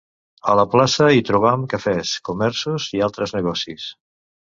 A la plaça hi trobam cafès, comerços i altres negocis.